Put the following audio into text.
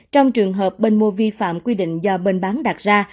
trong trường hợp bên mua vi phạm quy định do bên bán đặt ra